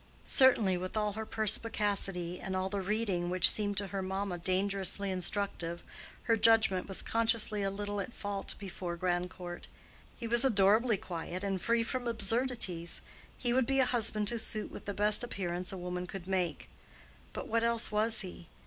Certainly, with all her perspicacity, and all the reading which seemed to her mamma dangerously instructive, her judgment was consciously a little at fault before Grandcourt. He was adorably quiet and free from absurdities—he would be a husband to suit with the best appearance a woman could make. But what else was he?